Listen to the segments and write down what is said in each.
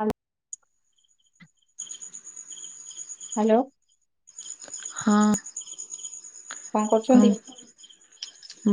ଆ। Hello. ହଁ। କଣ କରୁଛନ୍ତି।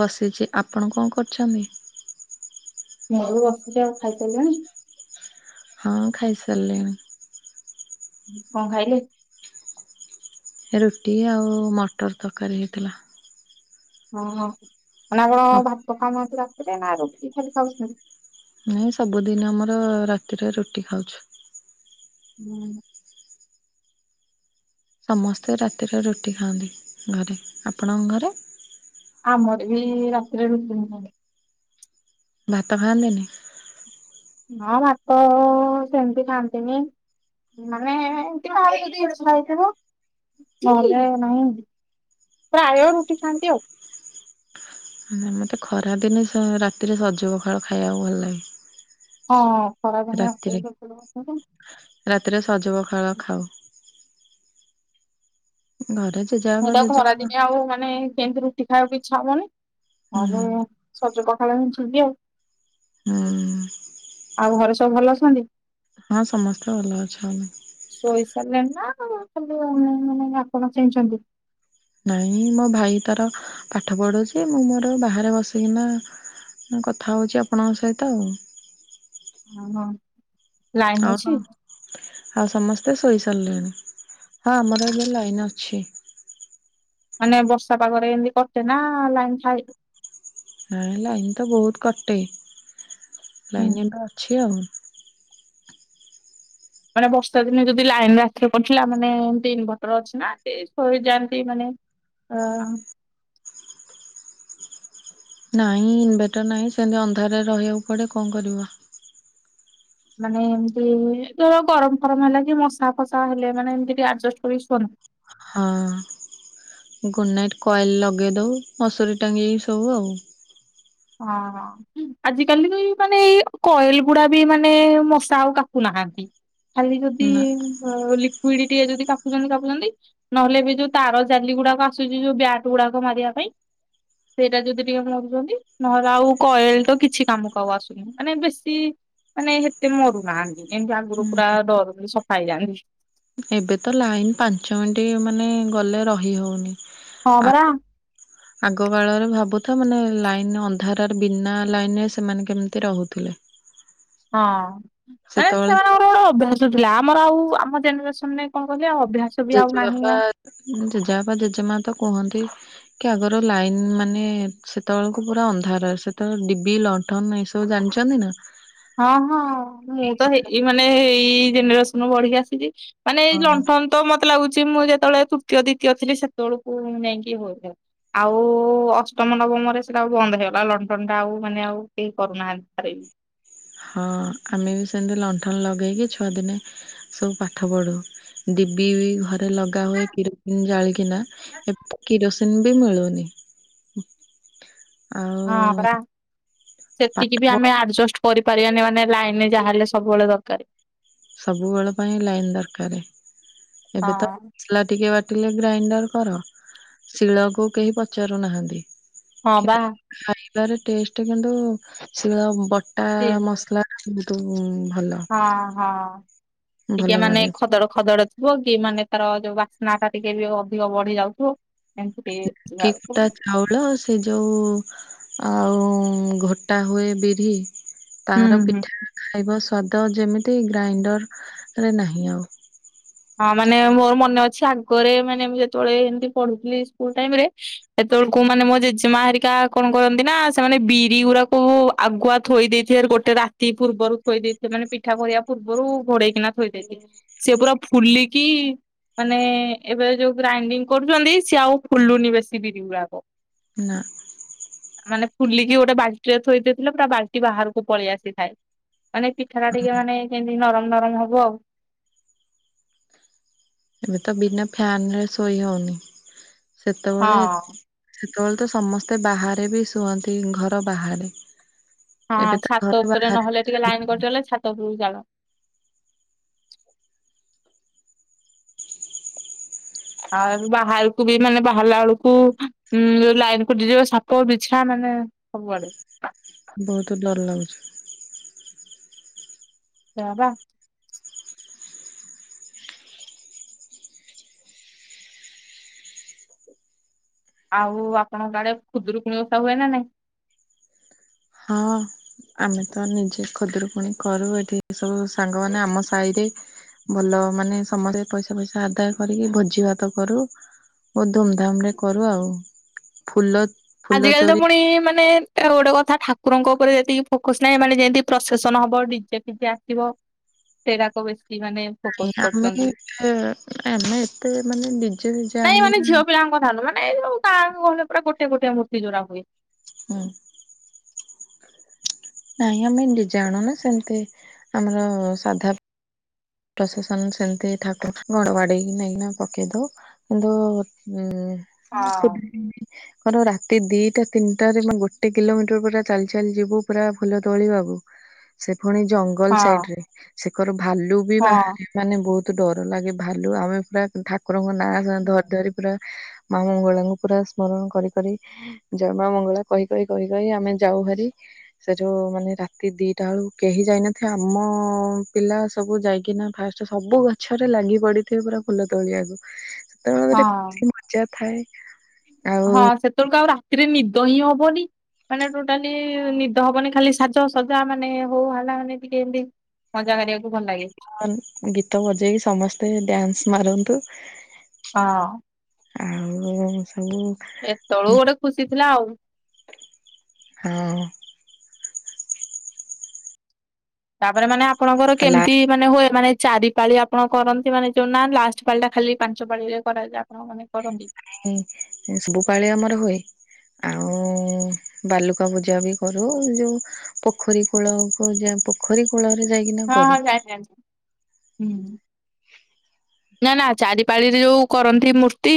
ବସିଛି ଆପଣ କଣ କରଛନ୍ତି । ମୁ ବି ବସିଛି ଆଉ ଖାଇ ସାରିଲେଣି। ହଁ ଖାଇ ସାରିଲିଣି । କଁ ଖାଇଲେ? ରୁଟି ଆଉ ମଟର ତରକାରୀ ହେଇଥିଲା । ଓୋ ହ ମାନେ ଆପଣ ଭାତ ଖାଉନାହାନ୍ତି ରାତିରେ ନା ରୁଟି ଖାଲି ଖାଉଛନ୍ତି । ନାଇଁ ସବୁଦିନ ଆମର ରାତିରେ ରୁଟି ଖାଉଛୁ । ହୁଁ । ସମସ୍ତେ ରାତିରେ ରୁଟି ଖାଆନ୍ତି ଘରେ ଆପଣଙ୍କ ଘରେ । ଆମର ବି ରାତିରେ ରୁଟି ଖାନ୍ତି । ଭାତ ଖାଆନ୍ତିନି । ହଁ ଭାତ ସେମିତି ଖାଆନ୍ତିନି । ମାନେ ଏମତି କାର ଜଦି ଇଛା ହେଇ ଥିବ ନହଲେ ନାହିଁ । ପ୍ରାୟ ରୁଟି ଖାଆନ୍ତି ଆଉ । ମତେ ଖରାଦିନ ସ ରାତିରେ ସଜ ପଖାଳ ଖାଇବାକୁ ଭଲ ଲାଗେ । ହଁ । ରାତିରେ ରାତିରେ ସଜପ ଫଳ ଖାଉ। ଘରେ ମୁଁ ଜେଜେବାପା ତ ଜେଜେମା ଖରାଦିନିଆ ଆଉ ମାନେ କେମିତି ରୁଟି ଖାଇବାକୁ ଇଚ୍ଛା ହବନି। ହୁଁ ଘରେ ସଜ ପଖାଳ ହିଁ [unintelligible] ଆଉ। ହୁଁ ଆଉ ଘରେ ସବୁ ଭଲ ଅଛନ୍ତି? ହଁ ସମସ୍ତେ ଭଲ ଅଛନ୍ତି। ଶୋଇ ସାରିଲେଣି ନା ଖାଲି ଅନ୍ୟମାନେ ଆପଣ ଚେଇଁଚନ୍ତି! ନାଇଁ ମୋ ଭାଇ ତାର ପାଠ ପଢୁଛି ମୁଁ ମୋର ବାହାରେ ବସିକିନା ମୁଁ କଥା ହଉଛି ଆପଣଙ୍କ ସହିତ ଆଉ। ଅ ହଉ, ଲାଇନି ଆଉ ସମ ଅଛି? ଆଉ ସମସ୍ତେ ଶୋଇ ସାରିଲେଣି ହଁ ଆମର ଏବେ ଲାଇନ ଅଛି। ମାନେ ବର୍ଷା ପାଗରେ ଏମତି କଟେ ନା ଲାଇନ୍ ଥାଏ? ହଁ ଲାଇନ୍ ତ ବହୁତ କଟେ, ହୁଁ ଲାଇନ ଏବେ ଅଛି ଆଉ। ମାନେ ବର୍ଷା ଦିନେ ଯଦି ଲାଇନ ରାତିରେ କଟିଲା ମାନେ ଏମିତି ଇନଭଟର ଅଛି ନା ଏ ଶୋଇଯାଆନ୍ତି ମାନେ ଅ ନାଇଁ ଇନଭେଟର ନାହିଁ ସେମିତି ଅନ୍ଧାରରେ ରହିଆକୁ ପଡେ କଣ କରିବା। ମାନେ ଏମିତି ଧର ଗରମ ଫରମ ହେଲା କି ମଶା ଫସା ହେଲେ ମାନେ ଏମିତି ଟିକେ ଆଡଜଷ୍ଟ କରି ଶୁଅନ ହଁ। ଗୁଡ଼୍ ନାଇଟ୍ କଏଲ ଲଗେଇ ଦଉ ମସୁରୀ ଟାଙ୍ଗିକି ଶୋଉ ଆଉ। ହଁ ଆଜିକାଲି ତ ଏଇ ମାନେ ଏଇ କଏଲ ଗୁଡା ବି ମାନେ ମଶା ଆଉ କାଟୁନା ଖାଆନ୍ତି ଖାଲି ଯଦି ନା ଅ ଲିକ୍ୱିଡିଟିଏ ଯଦି [unintelligible] [unintelligible] ନହେଲେ ଏବେ ଯୋଉ ତାର ଜାଲି ଗୁଡାକ ଆସୁଛି ଯୋଉ ବ୍ୟାଟ ଗୁଡାକ ମାରିଆ ପାଇଁ ସେଇଟା ଯଦି ଟିକେ [unintelligible] ନହେଲେ ଆଉ କଏଲ ତ କିଛି କାମକୁ ଆଉ ଆସୁନି ମାନେ ବେଶୀ ମାନେ ହେତେ ମରୁନାହାନ୍ତି। ଏମିତି ଆଗରୁ ପୁରା [unintelligible] ସଫା ହେଇଯାଆନ୍ତି। ଏବେ ତ ଲାଇନ ପାଞ୍ଚ ମିନିଟ ମାନେ ଗଲେ ରହି ହଉନି। ହଁ ପରା। ଆଗ ଆଗ କାଳରେ ଭାବୁଥାଅ ମାନେ ଲାଇନ ଅନ୍ଧାର ତାରେ ବିନା ଲାଇନରେ ସେମାନେ କେମିତି ରହୁଥିଲେ? ହଁ ମାନେ ସେତେବେଳେ ତ ସେମାନଙ୍କର ଗୋଟେ ଗୋଟେ ଅଭ୍ୟାସ ଥିଲା ଆପ ଆମର ଆଉ ଆମ ଜେନେରେସନରେ କଣ କହିଲେ ଅଭ୍ୟାସ ବି ଆଉ ନାହିଁ ଜେଜେବାପା ନା ଜେଜେବାପା ଜେଜେମା ତ କୁହନ୍ତି କି ଆଗର ଲାଇନ ମାନେ ସେତେବେଳକୁ ପୁରା ଅନ୍ଧାର ସେତେବେଳେ ଡିବି ଲଣ୍ଠନ ଏଇସବ ଜାଣିଛନ୍ତି ନା? ହଁ ହଁ ମୁଁ ତ ହେଇ ଏଇ ମାନେ ଏଇ ଜେନେରେସନରେ ବଢିକି ଆସିଛି ମାନେ ଏଇ ହଁ ଲଣ୍ଠନ ତ ମତ ମତେ ଲାଗୁଛି ମୁଁ ଯେତେବେଳେ ତୃତୀୟ ଦ୍ଵିତୀୟ ଥିଲି ସେତେବେଳକୁ ମୁଁ ଯାଇଁକି [unintelligible] ଆଉ ଅଷ୍ଟ ଷମ ନବମରେ ସେଟା ଆଉ ବନ୍ଦ ହେଇଗଲା ଲଣ୍ଠନଟା ଆଉ ମାନେ ଆଉ କେହି କରୁନାହାନ୍ତି। ହଁ ଆମେ ବି ସେମିତି ଲଣ୍ଠନ ଲଗେଇକି ଛୁଆ ଦିନେ ସବୁ ପାଠ ପଢୁ ଡିବି ବି ଘରେ ଲଗା ହୁଏ କିରୋସିନ ଜାଳିକିନା ଏବେ କିରୋସିନ ବି ମିଳୁନି। ହ [inaudible] ହଁ ପରା ପାଠ ସେତିକି ବି ପଢ ଆମେ ଆଡଜଷ୍ଟ କରିପାରିବାନି ମାନେ ଲାଇନରେ ଯାହା ହେଲେ ସବୁବେଳେ ଦକାରେ ସବୁବେଳ ପାଇଁ ଲାଇନ ଦରକାରେ ଏବେ ତ ହଁ ମସଲା ଟିକେ ବା ଟିଲେ ଗ୍ରାଇଣ୍ଡର କର ଶିଳକୁ କେହି ପଚାରୁନାହାନ୍ତି। ହଁ ବା। ଶିଳରେ ଟେଷ୍ଟ କିନ୍ତୁ ଶିଳ ବଟା ମସଲା ବହୁତୁ ହଁ ହଁ ଟିକେ ଭଲ ମାନେ ଲାଗେ ଖଦଡ ଖଦଡ ଥିବ କି ମାନେ ତାର ଯୋଉ ବାସ୍ନାଟା ଟିକେ ବି ଅଧିକ ବଢି ଯାଉଥିବ ଏମିତି ଟିକେ କେକ୍ ଟା ହୁଁ ଚାଉଳ ସେ ଯୋଉ ଆଉ ଘୋଟା ହୁଏ ବିରି ତାର ହୁଁ। ପିଠା ଖାଇବ ସ୍ୱା ଦ ଯେମିତି ଗ୍ରାଇଣ୍ଡରରେ ନାହିଁ ଆଉ। ହଁ ମାନେ ମୋର ମନେ ଅଛି, ଆଗରେ ମାନେ ମୁଁ ଯେତେବେଳେ ଏମିତି ପଢୁଥିଲି ସ୍କୁଲ ଟାଇମରେ, ସେତେବେଳେ ମାନେ ମୋ ଜେଜେମା ହେରିକା କଣ କରନ୍ତି ନା- ସେମାନେ ବିରି ଗୁଡାକୁ ଆଗୁଆ ଥୋଇ ଦେଇଥିବେ ଗୋଟେ ରାତି ପୂର୍ବରୁ ଥୋଇ ଦେଇଥିବେ, ମାନେ ପିଠା କରିବା ପୂର୍ବରୁ ଘୋଡେଇକିନା ଥୋଇ ଦେଇଥିବେ, ସେ ପୁରା ଫୁଲି କି ମାନେ ଏବେ ଯୋଉ ଗ୍ରାଇଣ୍ଡିଙ୍ଗ କରୁଛନ୍ତି, ସିଏ ଆଉ ଫୁଲୁନି ବେଶୀ ବିରି ଗୁଡାକ ନା ମାନେ ଫୁଲିକି ଗୋଟେ ବାଲ୍ଟିରେ ଥୋଇ ଦେଇଥିଲେ ପୁରା ବାଲ୍ଟି ବାହାରକୁ ପଳେଇ ଆସିଥାଏ। ମାନେ ପିଠା ଟା ଟିକେ ମାନେ ଯେମତି ନରମ ନରମ ହବ ଆଉ। ଏବେ ତ ବିନା ଫ୍ୟାନରେ ଶୋଇ ହଉନି, ସେତେବେଳେ ହଁ। ସେତେବେଳେ ତ ସମସ୍ତେ ବାହାରେ ବି ଶୁଅନ୍ତି ଘର ବାହାରେ। ହଁ ଏବେ ତ ଘର ଛାତ ଉପରେ ବାହାରେ ନହେଲେ, ଟିକେ ଲାଇନ କଟିଗଲେ, ଛାତ ଉପରକୁ ଚାଲ। ଆଉ ବାହାରକୁ ବି ମାନେ ବାହାରିଲା ବେଳକୁ ଉଁ ଲାଇନ କଟିଯିବ, ସାପ ବିଛା ମାନେ ହଁ ସବୁଆଡେ ବହୁତ ଡର ଲାଗୁଛି। ସେଇଆ ପା ଆଉ ଆପଣଙ୍କ ଆଡେ ଖୁଦୁରୁକୁୁଣି ଓଷା ହୁଏ ନା ନାଇଁ? ହଁ। ଆମେ ତ ନିଜେ ଖୁଦୁରୁକୁଣୀ କରୁ, ଏଠି ସବୁ ସାଙ୍ଗ ମାନେ ଆମ ସାହି ରେ ଭଲ ମାନେ ସମସ୍ତେ ପଇସା ପଇସା ଆଦାୟ କରିକି ଭୋଜି ଭାତ କରୁ ବହୁତ ଧୁମଧାମ ରେ କରୁ ଆଉ ଫୁଲ ଫୁଲ ଆଜିକାଲି ତ ଚୋରି ପୁଣି ମାନେ ଗୋଟେ କଥା ଠାକୁରଙ୍କ ଉପରେ ଯେତିକି ଫୋକସ ନାହିଁ, ଏମାନେେ ଯେମିତି ପ୍ରଶେସନ ହବ ଡିଜେ ଫିଜେ ଆସିବ ସେଟାକୁ ବେଶୀ ମାନେ ଫୋକସ ଆମେ କରୁଛନ୍ତି। ଆମେ ଏତେ ମାନେ ଡିଜେ ଫିଜେ ନାଇଁ ମାନେ ଆଣିକିନା ଝିଅ ପିଲାଙ୍କ କଥା ମାନେ ଯୋଉ ଗାଁ ଗହଳିରେ ପୁରା ଗୋଟେ ଗୋଟେ ମୁର୍ତ୍ତି ଯୋଉଁଗୁରା ହୁଏ ହଁ ନାଇଁ ଆମେ ଡିଜେ ଆଣୁନା, ସେମିତି ଆମର ସାଧା ପ୍ରଶେସନ ସେମିତି ଠାକୁରଙ୍କୁ ଘଣ୍ଟ ବାଡେଇକି ନେଇକି ପକେଇ ଦଉ, କିନ୍ତୁ ଉ ହଁ ଖ [unintelligible] ରାତି ଦିଟା ତିନିଟାରେ ଗୋଟେ କିଲୋମିଟର ପୁରା ଚାଲି ଚାଲି ଯିବୁ ପୁରା ଫୁଲ ତୋଳିିବାକୁ ସେ ପୁଣି ଜଙ୍ଗଲ ହଁ ସାଇଡ ରେ, ସେକର ଭାଲୁ ବି ହଁ ବାହାରେ ମାନେ ବହୁତ ତୁ ଡର ଲାଗେ ଭାଲୁ ଆମେ ପୁରା ଠାକୁରଙ୍କ ନାଁ ଧରି ଧରି ପୁରା ମା ମଙ୍ଗଳାଙ୍କୁ ପୁରା ସ୍ମରଣ କରି କରି ଜୟ ମା ମଙ୍ଗଳା କହି କହି କହି କହି ଆମେ ଯାଉ ଯିବୁହାରି, ସେଠଉ ମାନେ ରାତି ଦିଟା ବେଳୁ କେହି ଯାଇନଥିବେ, ଆମ ପିଲା ସବୁ ଯାଇ ଫାଷ୍ଟ ସବୁ ଗଛରେ ଲାଗି ପଡିଥିବ ପୁରା ଫୁଲ ତୋଳିବାକୁ ତରେ [unintelligible] ହଁ। ଖୁସି ମଜା ଥାଏ । ହଁ ସେତେବେଳକୁ ଆଉ ରାତିରେ ନିଦ ହିଁ ହବନି । ମାନେ ଟୋଟାଲି ନିଦ ହବନି, ଖାଲି ସାଜ ସଜା ମାନେ ହୋହାଲା ମାନେ ଟିକେ ଏମତି ମଜା କରିବା। ଗୀତ ବଜେଇକି ସମସ୍ତେ ଡ୍ୟାନ୍ସ ମାରନ୍ତୁ । ହଁ ଆଉ ସବୁ ସେତେବେଳୁ ଗୋଟେ ଖୁସି ଥିଲା ଆଉ ହଁ । ତାପରେ ମାନେ ଆପଣଙ୍କର କେମିତି ମାନେ ହୁଏ ମାନେ--? ଚାରି ପାଳି ଆପଣ କରନ୍ତି ମାନେ ଯୋଉ ନା ଲାଷ୍ଟ ପାଳି ଟା ଖାଲି ପାଞ୍ଚ ପାଳି ରେ କରାଯାଏ ଆପଣଙ୍କ ମାନେ--? କରନ୍ତି? ହଁ ଶୁଭ ପାଳି ଆମର ହୁଏ, ଆଉ ବାଲୁକା ପୂଜା ବି କରୁ, ଯୋଉ ପୋଖରୀ କୂଳ କୁ ପୋଖରୀ କୂଳ ହଁ ହଁ ଜାଣିଚି ନା ନା ଚାରି ପାଳିରେ ଯୋଉ କରନ୍ତି ମୂର୍ତ୍ତି,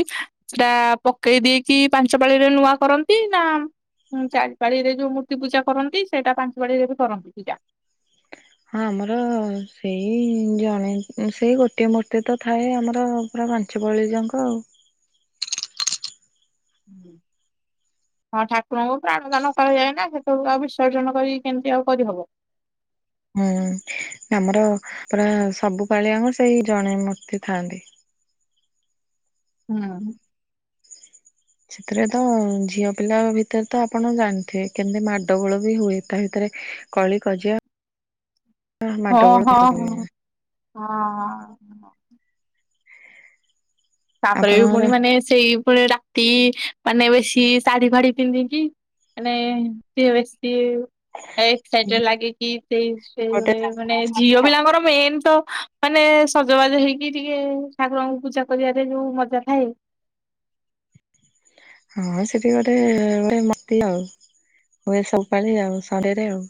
ସେଟା ପକେଇ ଦେଇକି ପାଞ୍ଚ ପାଳିରେ ନୂଆ କରନ୍ତି ନା ହୁଁ ଚାରିପାଳି ରେ ଯୋଉ ମୂର୍ତ୍ତି ପୂଜା କରନ୍ତି ସେଇଟା ପାଞ୍ଚ ପାଳି ରେ ବି କରନ୍ତି ପୂଜା। ହଁ ଆମର ସେଇ ଜଣେ ସେଇ ଗୋଟିଏ ମୂର୍ତ୍ତି ତ ଥାଏ ଆମର ପାଞ୍ଚ ପାଳିଯାକ ଆଉ। ହୁଁ ହଁ ଠାକୁରଙ୍କୁ ପ୍ରାଣ ଦାନ କରାଯାଏ ନା ସେଠକୁ ଆଉ ବିସର୍ଜନ କରି କେମିତି ଆଉ କରିହବ। ହୁଁ ଆମର ପୁରା ସବୁ ପାଳିଆଙ୍କ ସେଇ ଜଣେ ମୂର୍ତ୍ତି ଥାଆନ୍ତି। [inaudible] ହୁଁ ସେଥିରେ ତ ଝିଅ ପିଲା ଭିତରେ ତ ଆପଣ ଜାଣିଥିବେ କେମିତି ମାଡଗୋଳ ବି ହୁଏ ତା ଭିତରେ କଳି କଜିଆ ହଁ ମାଡଗୋଳ ହଁ ହ ହୁଏ। ହ ତାପରେ ବି ପୁଣି ଆପଣଙ୍କର ମାନେ ସେଇ ସେ ରାତି ମାନେ ବେଶୀ ଶାଢୀ ଫାଢୀ ପିନ୍ଧିକି ମାନେ [unintelligible] ଏ ଏକ୍ସାଇଟେଡ ଲାଗେ କି ସେଇ ସେ ଗୋଟେ ମାନେ ଝିଅ ପିଲାଙ୍କର ମେନ ତ ମାନେ ସଜବାଜ ହେଇକି ଟିକେ ଠାକୁରଙ୍କୁ ପୂଜା କରିବା। ଯୋଉଁ ମଜା ଥାଏ। ହଁ ସେଠି ଗୋଟେ ହୁଏ ମତି ଆଉ ହୁଏ ସବପାଳି ଆଉ ସନ୍ଧ୍ୟା ରେ ଆଉ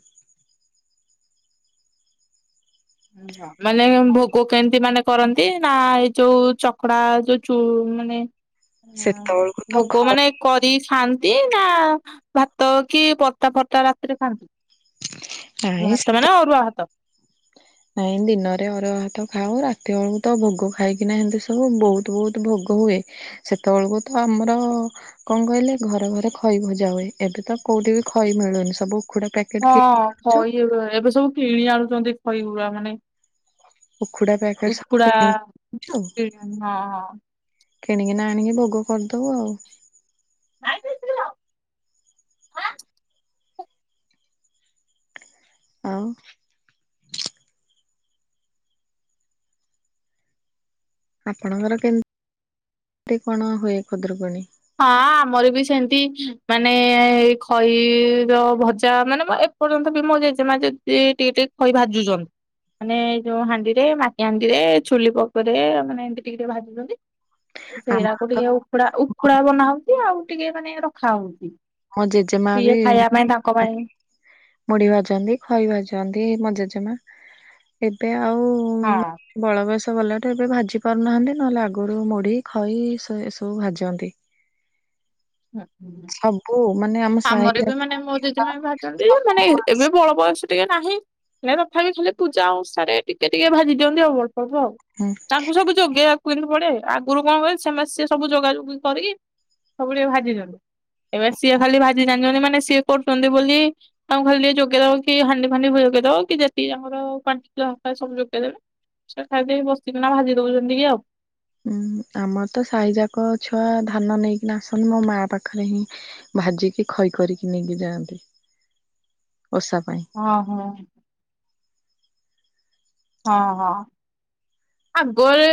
ମାନେ ଭୋଗ କେମିତି ମାନେ କରନ୍ତି ନା ଏଇ ଯୋଉଁ ଚକଡା ଯୋଉଁ ମାନେ ସେତେବେଳକୁ ତ ଭୋଗ ଖଇ ମାନେ କରି ସା ନା ଭାତ କି ପରଟା ଫରଟା ରାତିରେ ଖାଆନ୍ତି? ନାଇଁ ଭାତ ସେତ ମାନେ ଅରୁଆ ଭାତ। ନାଇଁ ଦିନରେ ଅରୁଆ ଭାତ ଖାଉ ରାତି ବେଳକୁ ତ ଭୋଗ ଖାଇକିନା ହେମିତି ଶୋଉ ବହୁତ ବହୁତ ଭୋଗ ହୁଏ ସେତ ବେଳକୁ ଆମର କଣ କହିଲେ ଘରେ ଘରେ ଖଇ ଭଜା ହୁଏ ଏବେ ତ କୋଉଠି ବି ଖଇ ମିଳୁନି ସବୁ ଉଖୁଡା ପ୍ୟାକେଟ ହଁ କିଣିକି ଆଣୁଛୁ। ଖଇ ଏବେ ସବୁ କିଣି ଆଣୁଛନ୍ତି ଖଇଗୁର ମାନେ ଉଖୁଡା ପ୍ୟାକେଟ ସବୁ ଉଖୁଡା କିଣିକି ହଁ ହଁ। କିଣିକି ନା ଆଣିକି ଭୋଗ କରିଦବୁ ଆଉ ହଁ। ହଁ ଆଉ ଆପଣଙ୍କର କେମି ମିତି କଣ ହୁଏ ଖୁଦୁରୁକୁଣୀ? ହଁ ଆମର ବି ସେମିତି ମାନେ ଏଇ ଖଇର ଭଜା ମାନେ ଏ ପର୍ଯ୍ୟନ୍ତ ବି ମୋ ଜେଜେ ମା ଯଦି ଟିକେ ଟିକେ ଖଇ ଭାଜୁଛନ୍ତି। ମାନେ ଏଇ ଯୋଉଁ ହାଣ୍ଡିରେ ମାଟି ହାଣ୍ଡି ରେ ଛୁଲି ପକରେ ମାନେ ଏମିତି ଟିକେ ଟିକେ ଭାଜୁଛନ୍ତି। ଆମ ସେଇଡାକୁ ଟିକେ ଉକୁୁଡା ଉକୁୁଡା ବନା ହଉଛି ଆଉ ଟିକେ ମାନେ ରଖା ହଉଚ। ମୋ ସିଏ ଖାଇବା ପାଇଁ ତାଙ୍କ ପାଇଁ ମୁଢ଼ି ଭାଜନ୍ତି ଖଇ ଭାଜନ୍ତି ମୋ ଜେ ଜେଜେ ମା ଏବେ ଆଉ ହଁ। ବଳବୟସ ଗଲାଟୁ ଏବେ ଭାଜି ପାରୁନାହାନ୍ତି ନହେଲେ ଆଗରୁ ମୁଢ଼ି ଖଇ ଏ ସବୁ ଭାଜନ୍ତି। ହୁଁ ହହୁଁ ସବୁ ମାନେ ଆମ ସାହି ଆମର ବି ଯାକ ମାନେ ମୋ ଜେଜେ ମା ଭାଜନ୍ତି ଯେ ମାନେ ଏବେ ବଳ ବୟସ ଟିକେ ନାହିଁ ହେଲେ ତଥାପି ଖାଲି ପୂଜା ଅନୁସାରେ ଟିକେ ଟିକେ ଭାଜି ଦିଅନ୍ତି ଆଉ କଣ। କୁ ଆଉ ହୁଁ ତାଙ୍କୁ ସବୁ ଯୋଗେଇବାକୁ କହିଲୁ। ସବୁଆଡେ ଆଗରୁ କଣ କହିଲ ସେମାନେ ସ ସବୁ ଯୋଗାଯୋଗ କରିକି ସବୁ ଭାଜି ଦିଅନ୍ତି। ଏବେ ସିଏ ଖାଲି ଭାଜି ଜାଣିଛନ୍ତି ମାନେ ସିଏ କରୁଛନ୍ତି ବୋଲି ତାଙ୍କୁ ଖାଲି ଟ ଯୋଗେଇଦ କି ହାଣ୍ଡି ଫାଣ୍ଡି ଯୋଗେଇଦବ କି ଯେତିି ତାଙ୍କର [unintelligible] ସବୁ ଯୋଗେଇଦବେ ସେ ଖାଇ ପିଇ ବସିକିନା ଭାଜି ଦଉଛନ୍ତି ଟିକେ ଆଉ। ହୁଁ ଆମର ତ ଯାକ ଛୁଆ ଧାନ ନେଇକିନା ଆସନ୍ତି ମୋ ମା ପାଖରେ ହିଁ ଭାଜିକି ଖଇ କରିକି ନେଇକି ଯାଆନ୍ତି। ଓଷା ପାଇଁ ହଁ ହଁ। ହଁ ହଁ। ଆଗରେ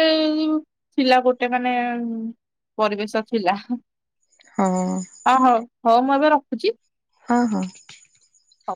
ଥିଲା ଗୋଟେ ମାନେ ପରିବେଶ ଥିଲା ହଁ ହଁ ହଉ ହଉ ମୁଁ ଏବେ ରଖୁଚି। ହଁ ହଁ। ହଉ।